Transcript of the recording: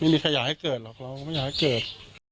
ไม่มีใครอยากให้เกิดหรอกเราก็ไม่อยากให้เกิด